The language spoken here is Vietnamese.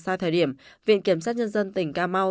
ra thời điểm viện kiểm sát nhân dân tỉnh cà mau